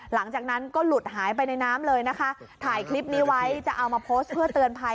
หลังจากนั้นก็หลุดหายไปในน้ำเลยนะคะถ่ายคลิปนี้ไว้จะเอามาโพสต์เพื่อเตือนภัย